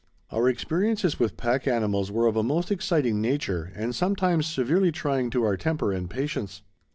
Our experiences with pack animals were of a most exciting nature and sometimes severely trying to our temper and patience.